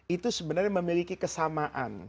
itu sebenarnya memiliki kesamaan